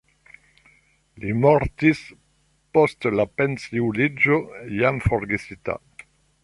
Li mortis post la pensiuliĝo jam forgesita.